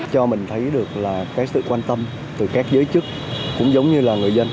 cho mình thấy được là cái sự quan tâm từ các giới chức cũng giống như là người dân